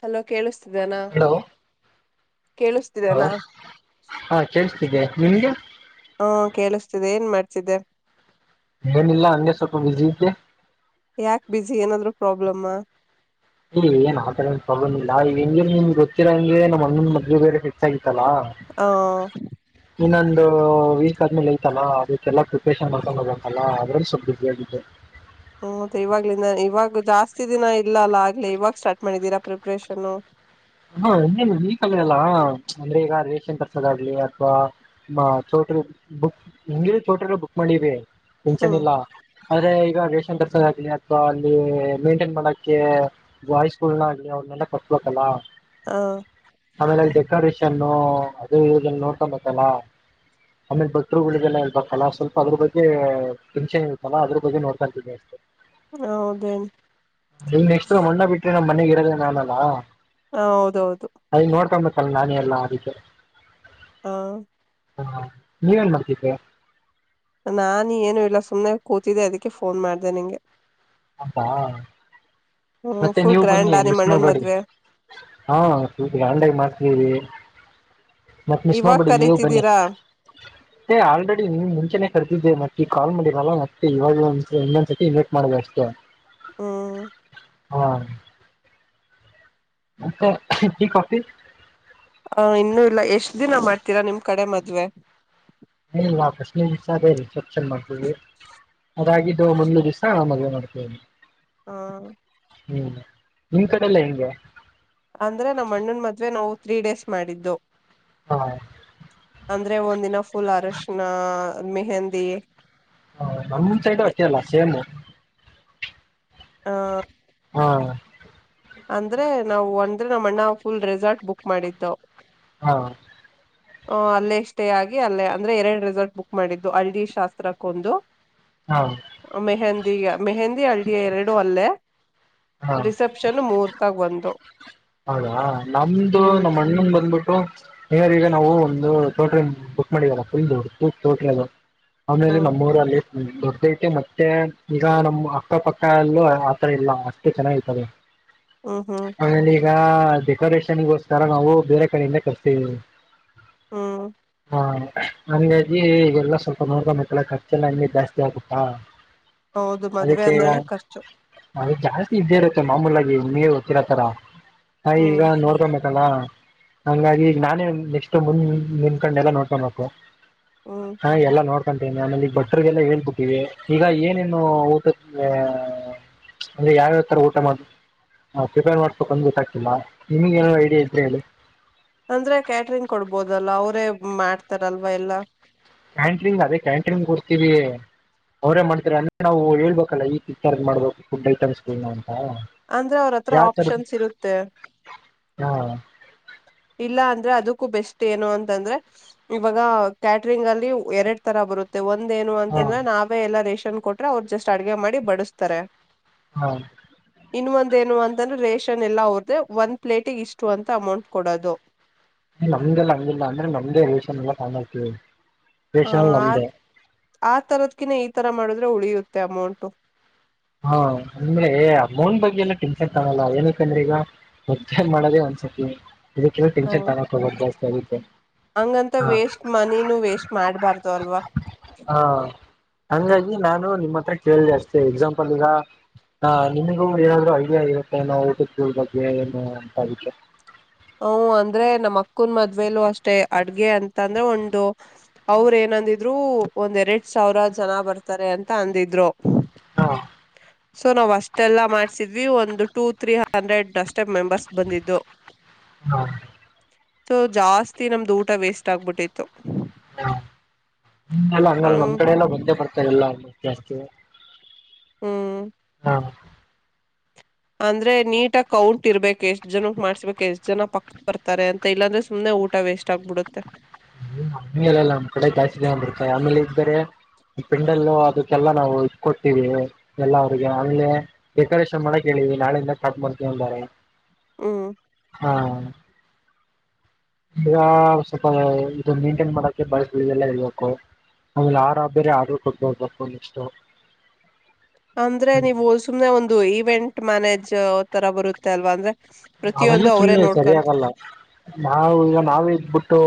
Hello ಕೇಳಿಸ್ತಿದನಾ. ಹ ಕೇಳಿಸ್ತಿದನಾ ಹಾ ಕೇೇಳಸ್ತಿದೆ. ನಿಮ್ಗೆ ಹ್ಮ ಕೇಳಿಸ್ತಿದೆ ಏನ್ ಮಾಡ್ತಿದ್ದೆ. ಏನಿಲ್ಲ ಹಂಗೆ ಸ್ವಲ್ಪ ಬಿಜಿ ಇದ್ದೆ. ಯಾಕ ಬ್ಯುಸಿ ಏನಾದ್ರು ಪ್ರಾಬ್ಲಮ್ಮಾ ಇಲ್ಲ ಏನ್ ಆ ತರ ಏನ್ ಪ್ರಾಬ್ಲಮ್ ಇಲ್ಲಾ ಈಗ ಹೆಂಗ ನಿಮ್ ಗೊತ್ತಿರೋ ಹಂಗೆ ನಮ್ಮ ಅಣ್ಣನ ಮದ್ವೆ ಬೇರೆ ಫಿಕ್ಸ್ ಆಗಿತ್ತ್ ಹ ಇನ್ನೊಂದ ವೀಕ್ ಆದ್ಮೇಲೆ ಐತಲ್ಲ ಅದಕ್ಕೆಲ್ಲಾ ಪ್ರಿಪೇಷನ್ ಮಾಡ್ಕೊಂಡು ಹೋಗಬೇಕಂತಲ್ಲ ಅದ್ರಲ್ಲಿ ಸ್ವಲ್ಪ ಬ್ಯುಸಿ ಆಗಿದ್ದೆ. ಮ್ಮ ಮತ್ತೆ ಇವಾಗ್ಲಿಂದ ಇವಾಗ ಜಾಸ್ತಿ ದಿನ ಇಲ್ಲ ಅಲಾ ಆಗ್ಲೇ ಇವಾಗ ಸ್ಟಾರ್ಟ್ ಮಾಡಿದೀರಾ ಪ್ರಿಪ್ರೇಷನ್. ಹಾ ಇನ್ನೇನು ಈ ಕಲ್ಲಲ್ಲಾ ಅಂದ್ರೆ ಈಗ ರೇಷನ್ ತರ್ಸೋದ ಆಗ್ಲಿ ಅಥವಾ ಮಾ ಚೋಟ್ರ ಬುಕ್ ಹಂಗಿರು ಚೋಟರು ಬುಕ್ ಮಾಡಿವಿ. ಹ್ಮ್ ಹುಂಚೆನಿಲ್ಲ. ಆದ್ರೆ ಈಗ ವೇಷನ್ ದರ್ಸೋದ ಆಗ್ಲಿ ಅಥವಾ ಅಲ್ಲಿ ಮೇಂಟೈನ್ ಮಾಡಕ್ಕೆ ಬಾಯ್ಸ್ ಗಳ್ನ ಆಗ್ಲಿ ಅವ್ರನ್ನೆಲ್ಲ ಕೊತ್ಬೇಕಲ್ಲ. ಹ ಆಮೇಲೆ ಡೆಕೋರೇಶ್ ನ್ನು ಅದು ಇದೆಲ್ಲ ನೋಡ್ಕೊಬೇಕಲ್ಲ ಆಮೇಲೆ ಭಕ್ತರುಗಳಿಗೆಲ್ಲ ಇರಬೇಕಲ್ಲ ಸ್ವಲ್ಪ ಅದ್ರ ಬಗ್ಗೆ ಟೆನ್ಷನ್ ಇರುತ್ತಲ್ಲ ಅದ್ರ ಬಗ್ಗೆ ನೋಡ್ಕತೀನಿ ಅಷ್ಟೇ. ಹೌದೇನ್ ನೀ ನೆಕ್ಸ್ಟ್ ಮಣ್ಣ ಬಿಟ್ಟ್ರಿ ನ ಮನೆಗೆ ಇರೋದ ನಾನಲಾ. ಹ ಹೌದೌದು. ಕಲ್ಲ್ಲಾಣಿ ಎಲ್ಲ ಆಧಿಕ ಹಾ. ಹಾ ನೀವೇನ್ ಮಾಡ್ತಿದ್ದೆ. ನಾನ ಏನು ಇಲ್ಲ ಸುಮನೆ ಕೂತಿದ್ದೆ ಅದಕ್ಕೆ ಫೋನ್ ಮಾಡ್ದ ನಿಂಗೆ ಹಬ್ಬ. ಹ್ಮ್ ಮತ್ತೆ ಫುಲ್ ನೀವು ಗ್ರ್ಯಾಂಡ್ ಬನ್ನಿ ಆ ನಿಮ್ ಮಿಸ್ ಅಣ್ಣನ್ ಮಾಡ್ಬೇಡಿ ಮದ್ವೆ ಹಾ ಗಾಂಡಾಗ ಮಾಡ್ತೀವಿ. ಮತ್ ಮಿಸ್ ಇವಾಗ ಮಾಡ್ಬೇಡಿ ನೀವು ಬನ್ನಿ. ಕರೀತಿದ್ದೀರಾ ಏ ಆಲ್ರೆಡಿ ನಿಮ್ ಮುಂಚೆನೆ ಕರ್ದಿದ್ದೆ ಮತ್ತೆ ಈ ಕಾಲ್ ಮಾಡಿರಲ್ಲ ಮತ್ತೆ ಇವಾಗ ಒಂದ ಇನ್ನೊಂದ್ಸರ್ತಿ ಇನ್ವೇಟ್ ಮಾಡದೆ ಅಷ್ಟೇ. ಹ್ಮ್. ಹಾ. ಮತ್ತೆ ಟಿ ಕಾಫಿ ಹ ಇನ್ನು ಇಲ್ಲ ಎಷ್ಟ ದಿನ ಮಾಡ್ತೀರಾ ನಿಮ್ ಕಡೆ ಮದ್ವೆ ಇಲ್ಲ ಫರ್ಸ್ಟ್ನೇ ದಿಸನೆ ಅದೇ ರೀ ಚನ್ ಮಾಡ್ತೀವಿ ಅದಾಗಿದ್ದು ಒಂದ್ ದಿವ್ಸ ಮದುವೆ ಮಾಡ್ತವಿ. ಹಾ. ಹ್ಮ್ ನಿಮ್ ಕಡೆಲ್ಲ ಹೆಂಗೆ ಅಂದ್ರೆ ನಮ್ಮಣ್ಣನ ಮದ್ವೆ ನಾವು ತ್ರೀ ಡೇಸ್ ಮಾಡಿದ್ದು ಹ ಅಂದ್ರೆ ಒಂದಿನ ಫುಲ್ ಅರಶಿನ ಮೆಹೆಂದಿ. ಹ ನಮ್ ಸೈಡ್ ಅಷ್ಟೇ ಅಲ್ಲ ಸೇಮು ಹ.. [inaudible] ಹಾ.. [inaudible] ಅಂದ್ರೆ ನಾವು ಒಂದ್ರೆ ನಮ್ಮ ಅಣ್ಣ ಫುಲ್ ರೆಸಾರ್ಟ್ ಬುಕ್ ಮಾಡಿದ್ದವು.. [unintelligible] ಹಾ.. [inaudible] ಹ ಅಲ್ಲೇ ಸ್ಟೇ ಆಗಿ ಅಲ್ಲೇ ಅಂದ್ರೆ ಎರಡು ರೆಸಾರ್ಟ್ ಬುಕ್ ಮಾಡಿದ್ದು ಹಲ್ಡಿ ಶಾಸ್ತ್ರಕ್ಕೊಂದು... ಹಾ [unintelligible] ಮೆಹಂದಿಿಯ ಮೆಹಂದಿ.. [inaudible] ಹಿ ಎರಡು ಅಲ್ಲೇ.. ಹಾ [inaudible] ರಿಸಪ್ಷ.. [inaudible] ಮೂರ್ತಾಗ ಒಂದು... [inaudible] ಹೌದಾ ನಮ್ದು ಹ್ಮ್ ನಮ್ಮ ಅಣ್ಣನ್ ಬಂದ್ಬಿಟ್ಟು.. [unintelligible] ವ ಈಗ ನಾವು ಒಂದು ಹೋಟ್ರಲ್ ಬುಕ್ ಮಾಡಿದಲ್ಲ ಫುಲ್ ದಡ್ೋಟಲ್ ಅ.. [unintelligible] ಅವನೇಲೆ ಹ್ಮ್ ನಮ್ಮೂಊರಲ್ಲಿ.. [inaudible] ಹ್ಮ್ ದೊಡ್ದೈತೆ ಮತ್ತೆ ಈಗ ನಮ್ ಅಕ್ಕಪಕ್ಕಲ್ಲೂ ಆತರ ಇಲ್ಲ ಅಷ್ಟು ಚೆನ್ನಾಗತದೆ.. [unintelligible] ಹ್ಮ್ ಹ್ಮ್.. [inaudible] ಈಗ ಡೆಕೋರೇಷನ್ಗೋಸ್ಕರ ನಾವು ಬೇರೆ ಕಡೆಯಿಂದೇ ಕರ್ಸ್ತವಿ... [unintelligible] ಹ್ಮ.. [inaudible] ಹಾ ಅಂಗಾಜಿ ಈಗೆಲ್ಲ ಸ್ವಲ್ಪ ನೋಡ್ಕೊಬೇಕಲ್ಲ ರ್ಚೆಲ್ಲ ಎ ಜಾಸ್ತಿ ಆಗುತ್ತಾ.. [unintelligible] ಹೌದು ಮದ್ವೆ ಅಂದ್ರನನೆ ಖರ್ಚು.. [unintelligible] ಅದ ಜಾಸ್ತಿ ಇದ್ದೇ ಇರುತ್ತೆ ಮಾಮೂಲಾಗಿ ಹುಗೇ ಗೊತ್ತಿರತರ... [unintelligible] ಹ ಈಗ ಹ್ಮ್ ನೋಡ್ತ ಮತ್ತ.. [inaudible] ಲ್ಲಾ ಹಂಗಾಗಿ ನಾನೇ ನೆಕ್ಸ್ಟ್ ಮುಂದ್ ನಿನ್ ಕಂಡ ಎಲ್ಲ ನೋಡ್ಕೊಬೇಕು... ಹ್ಮ್ [unintelligible] ಹಾ ಎಲ್ಲ ನೋಡ್ತ... [inaudible] ನಾನಲ್ಲಿ ಬಟರ್ಗೆಲ್ಲ ಹೇಳ್ಬಿಟ್ಟಿ ಈಗ ಏನೇನು ಊಟ ಅಂದ್ರೆ ಯಾವ್ಯಾವ್ ತರ ಊಟ ಮಾಡ ಪ್ರಿಪೇರ್ ಮಾಡ್ಕು ಬಂದ್ಬ.. [unintelligible] ನಿಮಗ ಏನು ಐಡಿಯಾ ಇದ್ರೆ ಹೇಳಿ... [unintelligible] ಅಂದ್ರೆ ಕ್ಯಾಟ್ರಂಗ್ ಕೊಡ್ಬೋದಲ್ಲ ಅವ್ರೇ ಮಾಡ್ತಾರಲ್ವಾ ಎಲ್ಲಾ... [unintelligible] ಕ್ಯಾಂಟ್ರಿಂಗ್ ಅದೇ ಕ್ಯಾಂಟ್ರಿಂಗ್ ಕೊಡ್ತೀವಿ ಅವ್ರೇ ಮಾಡ್ತಾರೆ ಅಂದ ನಾವು ಹೇಳ್ಬೇಕಲ್ಲ ಈಥರದ್ ಮಾಡ್ಬೇಕು ಫುಡ್ಲ್ಲಿ ತರಿಸೀವಿ ನಾ... [unintelligible] ಅಂದ್ರೆ ಅವ್ರತ್ರ ಆಪ್ಷನ್ಸ್ ಇರುತ್ತೆ.. ಹಾ [unintelligible] ಇಲ್ಲ ಅಂದ್ರೆ ಅದಕ್ಕೂ ಬೆಸ್ಟ್ ಏನು ಅಂತಂದ್ರೆ ಇವಾಗ ಕ್ಯಾಟರಿಂಗ್ ಅಲ್ಲಿ ಎರಡ್ ತರ ಬರುತ್ತೆ ಒ... [unintelligible] ಒಂದ ಏನು ಹಾ ಅಂತಂದ್ರೆ ನಾವೇ ಎಲ್ಲ... [inaudible] ಕೊಟ್ರೆ ಅವ್ರು ಜಸ್ಟ್ ಅಡ್ಗೆ ಮಾಡಿ ಬಡಿಸಸ್ತಾರೆ.. [unintelligible] ಹಾ.. [inaudible] ಇನ್ೊಂದ ಏನು ಅಂತಂದ್ರೆ ರೇಷನ್ ಎಲ್ಲಾ ಹದ್ದ ಒಂದ್ಲೇಟಿಗೆ ಇಷ್ಟು ಅಂತ ಅಮೌಂಟ್... [unintelligible] ಕೊಡದು.. [inaudible] ನಮ್ದಲ್ಲ ಹಂಗಿಲ್ಲ ಅಂದ್ರೆ ನಮ್ದೇ ರೇಷನ್ ಎಲ್ಲ ಕಾಣಾಡ್ತೀವಿ.. [unintelligible] ಹ ಆ ಆ ತರದಕಿನ ಈ ತರ.. [inaudible] ಮಾಡಿದ್ರೆ ಉಳಿಯುತ್ತೆ ಅಮೌಂಟು.. [inaudible] ಹಾ ಅಂದ್ರೆ ಅಮೌಂಟ್ ಬಗ್ಗೆ ಎಲ್ಲ ತಿನ್ಸ ತಾಣಲ್ಲ ಏನಕಂದ್ರೆ ಈಗ ಮುದ್ದೆ ಮಾಡದೇ ಒಂದ್ಸತಿ... [unintelligible] ಇದಕ್ಕೆ ಟನ್ ತ ಜಾಸ್ತಿ. [inaudible] [unintelligible] ಅಂಗ ಅಂತಾ ಹ ವೇಸ್ಟ ಮನಿನೂ ವೇಸ್ಟ್ ಮಾಡಬಾರದು ಅಲ್ವಾ. ಅಂಗ ಆಗಿ ನಾನು ನಿಮ್ಮ ಹತ್ರ ಕೇಳದೆ ಅಷ್ಟೇ ಎಕ್ಸಾಮ ಈಗ ಆ ನಿಮಗೂ ಏನಾದ್ರು ಐಡಿಯಾ ಇರುತ್ತೆ ಏನೋ ಊಟದ್ ಕೂಳ್ ಬಗ್ಗೆ ಏನು ಅಂತ ಅದಿಕ್ಕೆ ಹ ಅಂದ್ರೆ ನಮ್ಮ್ ಅಕ್ಕನ್ ಮದುವೆಲ್ಲೂ ಅಷ್ಟೇ ಅಡುಗೆ ಅಂತ ಅಂದ್ರೆ ಒಂದು ಅವ್ರ್ ಏನಂದಿದ್ರು ಒಂದ್ ಎರಡ್ ಸಾವಿರ ಜನ ಬರ್ತಾರೆ ಅಂತ ಅಂದಿದ್ರು. ಹಾ ಸೊ ನಾವ್ ಅಷ್ಟೆಲ್ಲ ಮಾಡ್ಸಿದ್ವಿ ಒಂದು--. ಟು ತ್ರೀ ಹಂಡ್ರೆಡ್ ಅಷ್ಟೆ ಮೆಂಬರ್ಸ್ ಬಂದಿದ್ದು. ಹಾ ಸೊ ಜಾಸ್ತಿ ನಮ್ದು ಊಟ ವೇಸ್ಟ್ ಆಗ್ಬಿಟ್ಟಿತ್ತು. ಅಂಗಲ್ಲ ಅ ನಮ್ ಹಂಗ್ ಕಡೆ ಎಲ್ಲ ಬಂದೇ ಬರ್ತಾರೆಲ್ಲ ಅವರು. ಜಾಸ್ತಿ--. ಹ್ಮ್ ಆ ಅಂದ್ರೆ ನೀಟಾಗಿ ಕೌಂಟ್ ಇರ್ಬೇಕ್ ಎಷ್ಟ್ ಜನಕ್ ಮಾಡ್ಸ್ಬೇಕ್ ಎಷ್ಟ್ ಜನ ಪಕ್ಕ ಬರ್ತಾರೆ ಅಂತ ಇಲ್ಲಾಂದ್ರೆ ಸುಮ್ನೆ ಊಟ ವೇಸ್ಟ್ ಆಗ್ಬಿಡುತ್ತೆ. ಹ್ಮ ಹಂಗು ಇರಲ್ಲಾ ನಮ್ಮ್ ಕಡೆ ಜಾಸ್ತಿ. [unintelligible] ರೆ ಪಿಂಡಲ್ಲೂ ಅದಕ್ಕೆಲ್ಲಾ ನಾವು ಇಟ್ಕ ಕೊತೀವಿ ಎಲ್ಲ ಅವರಿಗೆ ಅಲ್ಲಿೇ ಡೆಕೋರೇಷನ್ ಮಾಡಕ್ ಹೇಳಿವಿ ನಾಳೆ ಇಂದ ಸ್ಟಾರ್ಟ್ ಮಾಡತೀವಿ ಅಂದಾರ. ಹ್ಮ್ ಹಾ. ಈಗ ಸ್ವಲ್ಪ ಇದು ಮೇಂಟೈನ್ ಮಾಡಕ್ಕೆ ಬಾಳ್ಸ್ಲೀಗೆಲ್ಲ ಹೇಳ್ಬೇಕು. ಆಮೇಲೆ ಹಾರ ಬೇರೆ ಆರ್ಡರ್ ಕೊಟ್ ಬರ್ಬೇಕು ನೆಕ್ಸ್ಟು. ಅಂದ್ರೆ ನೀವು ಸುಮ್ನೆ ಒಂದು ಇವೆಂಟ್ ಮ್ಯಾನೇಜ್ ಯಾವ್ ತರ ಬರುತ್ತೆ ಅಲ್ವಾ ಅಂದ್ರೆ--. ಅವೆಲ್ಲ ಪ್ರತಿಯೊಂದು ಅವರೇ ಸುಮ್ನೆ ನೋಡ್ಕೊಂತ ಸರಿಯಾಗಲ್ಲ ನಾವ್ ಈಗ ನಾವೇ ಇದ್ಬಿಟ್ಟು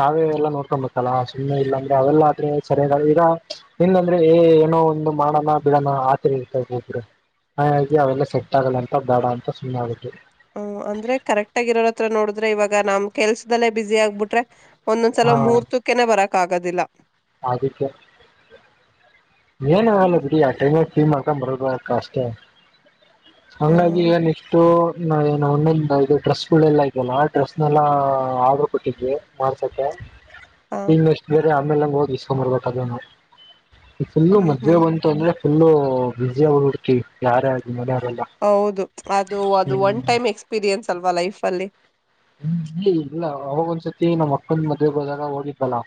ನಾವೇ ಎಲ್ಲ ನೋಡ್ಕೋಬೇಕು ಅಲ್ಲಾ ಸುಮ್ಮನೆ ಇಲ್ಲಾಂದ್ರೆ ಅವೆಲ್ಲ ಆದ್ರೆ ಸರಿಯಾದ ಈಗ ಇಲ್ಲ ಅಂದ್ರೆ ಏ ಏನೋ ಒಂದು ಮಾಡೋಣ ಬಿಡೋಣ ಆತ್ರಿ ಇರ್ತ ಹೋದ್ರೆ ಹಾಗಾಗಿ ಅವೆಲ್ಲ ಸೆಟ್ ಆಗಲ್ಲಂತ ಬೇಡ ಅಂತ ಸುಮ್ಮನೆ ಆದೆ ಅದಕ್ಕೆ. ಹ ಅಂದ್ರೆ ಕರೆಕ್ಟ್ ಆಗಿ ಇರೋರ ಅತ್ರ ನೋಡಿದ್ರೆ ಇವಾಗ ನಮ್ ಕೆಲ್ಸದಲ್ಲೇ ಬಿಜಿ ಆಗ್ಬಿಟ್ರೆ ಒಂದೊಂದ್ ಸಲಾ ಮೂಹೂರ್ತಕ್ಕೇನೆ ಬರಕ್ ಕ್ ಆಗದಿಲ್ಲ. ಆದಕ್ಕೆ--. ಏನಾಗಲ್ಲ ಹ್ಮ್ ಬಿಡಿ ಆ ಟೈಮ್--. ಕ್ಲೀನ್ ಮಾಡ್ಕೊಂಡು ಬರೋದು ಅಕ್ಕ ಅಷ್ಟೆ. ಹಂಗಾ ಆಗಿ ಹ್ಮ್ ಏನ್ ಇಷ್ಟು--. ಏನು ಒಂದೊಂದು ಇದು ಡ್ರೆಸ್ಗಳೆಲ್ಲ ಇದಲ್ಲಾ ಡ್ರೆಸ್ನೆಲ್ಲಾ ಆರ್ಡರ್ ಕೊಟ್ಟಿದ್ವಿ ಮಾಡ್ಸಕ್ಕೆ. ಹ ಇನ್ನೆಷ್ಟ್ [unintelligible] ಅ ಆಮೇಲೆ ಹಂಗೆ ಹೋಗಿ ಇಸ್ಕೊಂಬರ್ಬೆಕ್ ಅದುನ್ನು ಇಗ್ ಫುಲ್ ಹ್ಮ್ ಮದುವೆ ಹ್ಮ್ ಬಂತು ಅಂದ್ರೆ ಫುಲ್ ಬ್ಯುಸಿ ಆಗಿ ಹೋಗಿ ಬಿಡ್ತೀವಿ ಯಾರೇ ಆಗಲಿ. [unintelligible] ಹೌದು ಅದು ಅದು ಒನ್ ಟೈಮ್ ಎಕ್ಸ್ಪೀರಿಯನ್ಸ್. ಅಲ್ವಾ ಲೈಫ್ ಅಲ್ಲಿ ಹ್ಮ ಇಲ್ಲಿ ಇಲ್ಲ ಅವಾಗ ಒಂದ ಸತಿ ನಮ್ಮ್ ಅಕ್ಕಂದು ಮದುವೆಗೆ ಹೋದಾಗ ಹೋಗಿದ್ದೀವಲ್ವಾ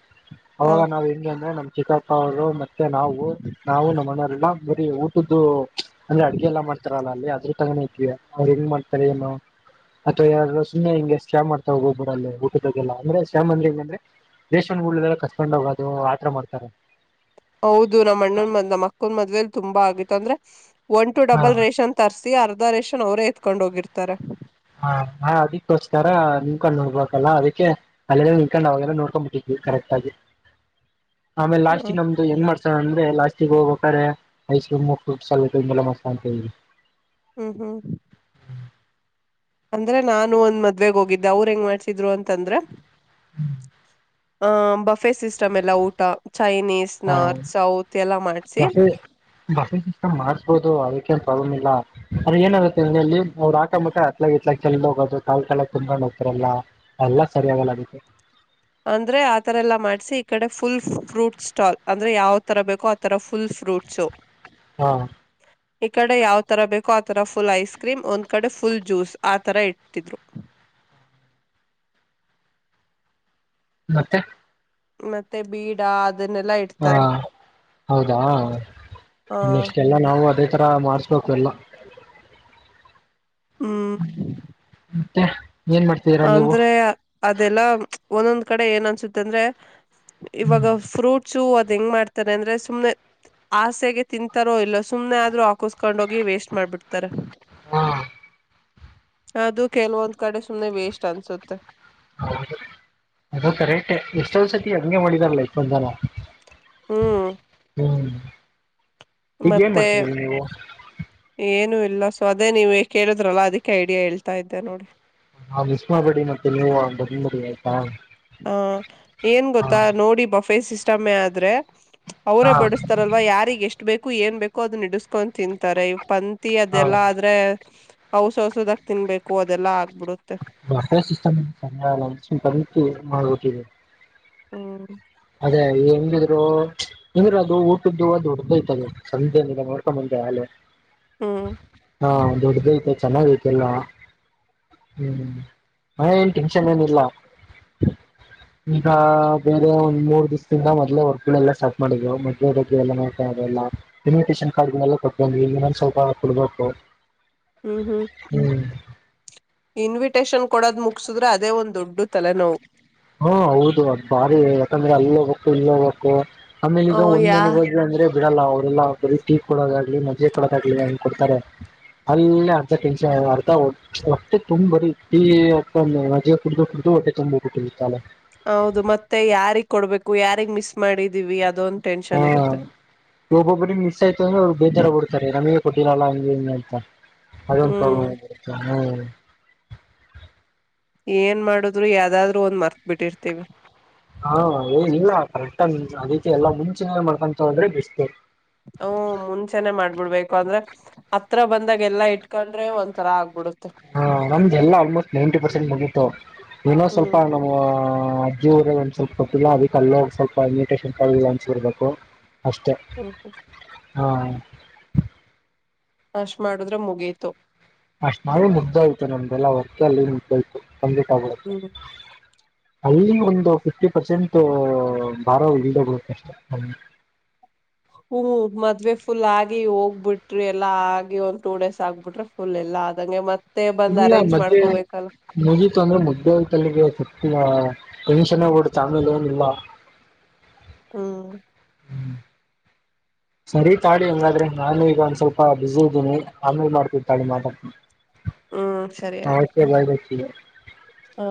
ಹ ಅವಾಗ ನಾವ್! ಹೆಂಗೆ ಅಂದ್ರೆ ನಮ್ ಚಿಕ್ಕಪ್ಪ, ಅವರು ಮತ್ತೆ ನಾವು ನಾವು ನಮ್ಮ ಮನೆಯ. ಎಲ್ಲ ಬರಿ ಊಟದ್ದು.... ! ಅಂದ್ರ ಅಡಗೆ ಎಲ್ಲ ಮಾಡ್ತಾರಲ್ಲ ಅಲ್ಲಿ.. ತಗಣತವ ಅವ್ರು ಹೆಂಗ ಮಾಡ್ತಾರೆ ಏನೋ? ಅಥವಾ ಯಾರ ಸುಮ್ನೆ ಹಿಂಗೆ. ಸ್ಕ್ಯಾಮ್ ಮಾಡ್ತಾವೋಗೊಬ್ಬರಲ್ಲಲ್ಲಿ ಊಟದಾಗೆಲ್ಲ. ಅಂದ್ರೆ! ಸ್ವಾಮ್ ಅಂದ್ರೆ ಹೇ! ಅಂದ್ರೆ ರೇಷನ್ ಉಳದದ್ರಲ್ಲಿ ಕದಡ್ಕೊಂಡು ಹೋಗೋದು ಆತರ ಮಾಡ್ತಾರೆ. ಹೌದು ನಮ್ಮ ಅಣ್ಣನ ಮದ್ ನಮ್ಮ ಮಕ್ಕಳ ಮದ್ವೆೇಲ್ ತುಂಬಾ ಆಗಿತ್ತು ಅಂದ್ರೆ.. [inaudible] ಒನ್ ಟು ಹಾ ಡಬಲ್ ರೇಷನ್ ತರಿಸಸು. ಪ್ರ ಅರ್ಧ ರೇಷನ್ ಅವರೇ ಎತ್ಕೊಂಡ್ ಹೋಗಿರ್ತಾರೆ. ಹಾ.. ! ಹಾ.. ! ಅದಕ್ಕೋಸ್ಕರ ನಿನ್ಕೊಂಡು ನೋಡ್ಬಲ್ಲ ಅದಕ್ಕೆ ಅಲ್ಲಲ್ಲ ನಿಡ್ಕೊಂಡು ಅವಾಗೆಲ್ಲ ನೋಡ್ಕೊಂಡ್ ಬಿಟ್ಟಿದ್ವಿ ಕರೆಕ್ಟ್ ಆಗಿ. ಆಮೇ ಲಸ್ಟ್ ಹ ನಮ್ದು ನ್ ಮಾಡ್ತಾರೆ. ಅಂದ್ರೆ ಲಾಸ್ಟಿಗೆ ಹೋಗ್ಬೇಕ್ರೆ ಐಸ್ ಕ್ರೀಮ್ ಫ್ರೂಟ್ಸ್ ಅಲ್ಲ ಮಸ್ತ ಅಂತ ಹೇಳಿ. ಹ್ಮ್! ಹ್ಮ್! ಅಂದ್ರೆ ನಾನು ಒಂದ್ ಮದ್ವೆಗ್ ಹೋಗಿದ್ದೆ ಅವ್ರ ಹೆಂಗ್ ಮಾಡ್ಸಿದ್ರು ಅಂತಂದ್ರ? ಹ್ಮ್. ! ಆಹ.. ! ಬಫೆ ಸಿಸ್ಟಮ್ ಎಲ್ಲ ಊಟ ಚೈನೀಸ್, ನಾರ್ತ್, ಸೌತ್, ಎಲ್ಲ ಮಾಡ್ಸಿ. ಬ ಮಾಡಸ್ಬೋದು ಅದಕ್ಕೇನ್ ಪ್ರಾಬ್ಲಮ್ ಇಲ್ಲ ಆದ್ರ ಏನಾಗುತ್ತೆಲ್ಲಿ ಅವ್ರು ಅಕಬೇಕು ಮಟ ಅತ್ಲ ಇತ್ಲ ಕೆಲ್ ಹೋಗೋದು ಕಾಳ ಕ ಕುನ್ಕೊಂಡ್ ಹೋಗ್ತಾರಲ್ಲಾ ಎಲ್ಲಾ ಸರಿಯಾಗಲ್ಲಗೆ ಅಂದ್ರೆ ಆ ಥರ ಎಲ್ಲ ಮಾಡ್ಸಿ ಈ ಕಡೆ ಫುಲ್ ಫ್ರೂಟ್ಸ್ ಸ್ಟಾಲ್ ಅಂದ್ರೆ ಯಾವ? ತರ ಬೇಕೋ ಆ ಥರ ಫುಲ್ ಫ್ರೂಟ್ಸು. ಹಾ ಈ ಕಡೆ ಯಾವ್ತರ? ಬೇಕೋ ಆತರ ಫುಲ್ ಐಸ್ಕ್ರೀಮ್ ಒಂದ್ ಕಡೆ ಫುಲ್ ಜ್ಯೂಸ್ ಆತರ ಇಟ್ಟತಿದ್ರು. ಮತ್ತೆ. ಮತ್ತೆ ಬೀಡ.. ! ಹಾ.. ! ಹೌದಾ! ಆ ಇನ್ನಿಷ್ಟೆಲ್ಲ ನಾವು ಅದೇ ತರ ಮಾಡಸ್ಬೇಕು ಎಲ್ಲ. ಹ್ಮ್... ! ಹ.. ! ಅಂದ್ರೆ ಅದೆಲ್ಲ ಒಂದೊಂದು. ಕಡೆ ಏನ್ ಅನ್ಸುತ್ತೆ ಅಂದ್ರೆ.. ! ಇವಾಗ ಫ್ರೂಟ್. ಹಚ್ಚು ಅದ್ ಹೆಂಗ್ ಮಾಡ್ತಾರೆ ಅಂದ್ರೆ ಸುಮ್ನೆ ಆಸೆಗೆ ತಿಂತಾರೋ ಇಲ್ಲ ಸುಮನೆ ಆದ್ರರು. ಕುೂಸ್ಕೊಂಡೋಗಿ ವೇಸ್ಟ್ ಮಾಡ್ಬಿಡ್ತಾರೆ. ಹಾ ಅದು ಕೆಲವೊಂದ್ ಕಡೆ. ಸುಮ್ನೆ ವೆಸ್ಟ್ ಅನ್ಸುತ್ತೆ. ಹೌ ಅದು ಕರೆಕ್ಟ್ ಎಷ್ಟ ಸತಿ ಹಂಗೆ ಮಾಡಿದಾರಲ್ಲ ಇಫ ಒಂದ್ಸಲ. ಹ್ಮ್.. ! ಹ್ಮ್.. ! ಮತ್ತೆ... ! ಏನು? ಇಲ್ಲ ಸೊ! ಅದೇ ನೀವ ಕೇಳಿದ್ರಲ್ಲಾ ಅದಕ್ಕೆ ಐಡಿಯಾ ಹೇಳ್ತಾ ಇದ್ದೆ ನೋಡಿ. [unintelligible] ಹ ಏನ್ ಹಾ ಗೊತ್ತಾ ನೋಡಿ ಬಫೆ ಸಿಸ. ಇಷ್ಟಮ್ಮೆ ಆದ್ರೆ. ಅವರೇ ಹಾ ಬಡುಸ್ತಾರಲ್ವಾ ಯಾರಿಗೆ ಎಷ್ಟು ಬೇಕ ಕು ಏನ್ ಬೇಕೋ ಅದುನ್ ನಿಡುಸ್ಕೊಂಡ್ ತಿಂತಾರೆ ಇವ್ ಪಂದ್ ಹಾ ಅದೆಲ್ಲ ಆದ್ರೆ ಹಔಸ ಔಸದಾಗ ತಿನ್ಬೇಕು ಅದೆಲ್ಲಾ ಆಗ್ಬಿಡುತ್ತೆ ಬ ಸ ಹ್ಮ್ ಅದೇ ಹೆಂಗಿದ್ರು ಎಂದ್ರರು ಅದು ಊ ದುದು ಆ ದೊಡ್ಡ್ ದೈತದು ಸಂಜೆ ನಿ ನೋಡ್ಕೊಂಬಂದೆ ಅೆ ಹ್ಮ್ ಹಾ ದೊಡ್ಡ ೈತೆ ಚೆನ್ನಾಗಐತೆಲ್ಲ ಹ್ಮ್ ಏನ್ ಟೆನ್ಷನ್ ಏನಿಲ್ಲ ಈಗ ಬೇರೆ ಮೂರ್ ದಿವಸದಿಂದ ಮೊದ್ೇ ವರ್ಕ್ಗಳೆಲ್ಲ ಸ್ಟ್ ಮಾಡಿದ್ವು ಮದ್ೆ ಬಗ್ಗೆ ಎಲ್ಲ ನೋತದೆಲ್ಲ ಇನ್ವಿಟೇಷನ್ ಕಾರ್ಡ್ ಗಳೆಲ್ಲ ಕೊಟ್ಟ ಬಂದ್ವಿ ಇನ್ನೊಂದ್ ಸ್ವಲ್ಪ ಕೊಡ್ಬೇಕು ಹ್ಮ್ ಹ್ಮ್ ಹ್ಮ್ ಇನ್ವಿಟೇಷನ್ ಕೊಡೋದ್ ಮುಗಸುದ್ರೆ ಅದೇ ಒಂದ ದೊಡ್ಡ ತಲೆನೋವು ಹಾ ಹೌದು ಅದ್ ಭಾರಿ ಯಾಕಂದ್ರೆ ಅಲ್ಲಿ ಹೋಗ್ಬೇಕು ಇಲ್ಲೋಗ್ಬೇಕು ಆಮೇಲೆ ಓ ಈಗ ಒಂದ್ ಯಾ ಮನೆಗ್ ಹೋಗಿಲ್ಲ ಅಂದ್ರೆ ಬಿಡಲ್ಲ ಅವರೆಲ್ಲ ಬರೀ ಟೀ ಕೊಡೋದಾಗ್ಲಿ ಮಜೆ ಕೊಡೋದಾಗ್ಲಿ ಹಂಗ್ ಕೊಡ್ತಾರೆ ಅಲ್ಲೇ ಅರ್ಧ ಟೆನ್ಷನ್ ಅರ್ಧ ಹೊಟ್ಟೆ ತುಂಬ್ ಬರೀ ಟೀ ಅ ಮಜೆ ಕುಡಿದು ಕುಡ್ದು ಹೊಟ್ಟೆ ತುಂಬಟ್ಟ ತ ಹೌದು ಮತ್ತೆ ಯಾರಿಗ್ ಕೊಡ್ಬೇಕು ಯಾರಿಗ್ ಮಿಸ್ ಮಾಡಿದೀವಿ ಅದೊಂ ಹಾ ಒಬ್ಬೊಬ್ಬ್ರ ಮಿಸ್ ಆಯ್ತು ಅಂದ್ರೆ ಅವ್ರು ಬೇಜಾರ ಬಿಡ್ತಾರೆ ನಮ ಟಿಿನಲ್ಲ ಅದೊಂದು ಪ್ರಾಬ್ಲಮ್ ಹ್ಮ್ ಆಗ್ಬಿಡತ್ತೆ ಹ್ಮ್ ಏನ್ ಮಾಡುದ್ರು ಯಾವ್ದಾದ್ರು ಒಂದ್ ಮರ್ತ್ ಬಿಟ್ಟಿರ್ತಿವಿ ಹಾ ಏ ಇಲ್ಲ ಕರೆಕ್ಟ ಅದೀತಿ ಎಲ್ಲಾ ಮುಂಚೆನೇ ಮಾಡ್ಕಂತ ಹೋದ್ರೆ ಬೆಸ್ಟ್. ಹ್ಮ್ ಮುಂಚೆನೆ ಮಾಡ್ಬಿಡ್ಬೇಕು ಅಂದ್ರೆ ಹತ್ರ ಬಂದಾಗ ಎಲ್ಲ ಇಟ್ಕೊಂಡ್ರೆ ಒಂತರ ಆಗ್ಬಿಡು ಹಾ ನಮ್ದ ಎಲ್ಲಾ ಆಲ್ಮೋಸ್ಟ್ ನೈಂಟಿ ಪರ್ಸೆಂಟ್ ಮುಗಿತ್ತು ಏನೋ ಸ್ವಲ್ಪ ಹ್ಮ್ ನಮ್ ಆ ಅಜ್ಜಿ ಊರ ಒಂದ್ ಸ್ವಪ್ ಕೊಟ್ಟಿಲ್ಲ ಅದಕ್ಕೆ ಅಲ್ಲೋಗ ಸ್ವಲ್ಪ ಇನ್ವಿಟೇಶನ್ ಕರೆಲ್ಲ ಹಂಚಿಬರ್ಬೇಕು. ಅಷ್ಟೇ ಹ್ಮ್ ಹ್ಮ್ ಹಾ ನಾಶ್ ಮಾಡುದ್ರೆ ಮುಗಿತು ಅಷ್ಟ್ ಮಾಡಿದ್ರೆ ಮುಗ್ಧೆ ಹೋಯ್ತು ನಮ್ದಲ್ಲಾ ವರ್ಕಲ್ಲಿ ಮುಗ್ಧೆ ಹೋಯ್ತು ಸಂಜೆಕಾಗ್ಬುಡುತ್ತೆ ಹ್ಮ್ ಅಲ್ಲಿ ಒಂದು ಫಿಫ್ಟಿ ಪರ್ಸೆಂಟ್ ಭಾರ ಇಳ್ದೋಗ್ ಬಿಡುತ್ತಷ್ಟೇ. ಹ ಮದ್ವೆ ಫುಲ್ ಆಗಿ ಹೋಗ್ಬಿಟ್ರಿ ಎಲ್ಲ ಆಗಿ ಒಂದ ಟೂ ಡೇಸ್ ಆಗ್ಬಿಟ್ರೆ ಫುಲ್ ಎಲ್ಲಾ ಆದಂಗೆ ಮ ಇಲ್ಲ ಮದ್ವೇ ಮುಗಿತು ಅಂದ್ರೆ ಮುಗ್ದೆ ಹೊಯಿತಲ್ಲಿಗೆ ಸತಿಯಾ ಟೆನ್ಷನೇ ಹೊ ಬಿಡುತ್ತೆ ಆಮೇಲೊನ್ ಇಲ್ಲ. ಹ್ಮ್ ಸರಿ ತಾಳಿ ಹೆಂಗಾದ್ರೆ ನಾನು ಈಗ ಒಂದ್ ಸ್ವಲ್ಪ ಬಿಸಿ ಇದ್ದೀನಿ ಆಮೇಲೆ ಮಾಡ್ತಿನ್ ತಾಳಿ ಮಾತಾಡ್ತಿನ್. ಹ್ಮ್ how okay bye bye see you. ಹಾ